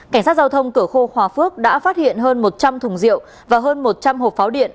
cảnh sát giao thông cửa khô hòa phước đã phát hiện hơn một trăm linh thùng rượu và hơn một trăm linh hộp pháo điện